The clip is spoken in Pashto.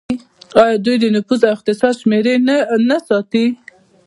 آیا دوی د نفوس او اقتصاد شمیرې نه ساتي؟